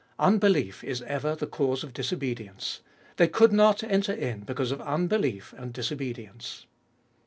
Unbelief is ever the cause of disobedience ; they could not enter in because of unbelief and disobedience.